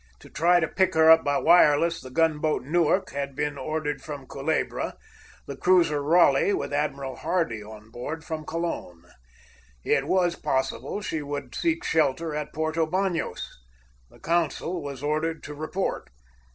To try to pick her up by wireless, the gun boat Newark had been ordered from Culebra, the cruiser Raleigh, with Admiral Hardy on board, from Colon. It was possible she would seek shelter at Porto Banos. The consul was ordered to report.